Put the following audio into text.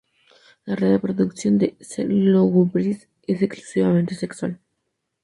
La reproducción de "S. lugubris" es exclusivamente sexual.